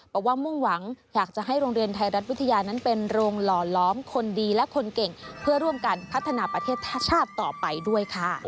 มุ่งหวังอยากจะให้โรงเรียนไทยรัฐวิทยานั้นเป็นโรงหล่อล้อมคนดีและคนเก่งเพื่อร่วมกันพัฒนาประเทศชาติต่อไปด้วยค่ะ